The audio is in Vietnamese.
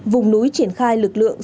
vùng núi triển khai lực lượng